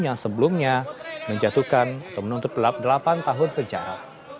yang sebelumnya menjatuhkan atau menuntut delapan tahun penjara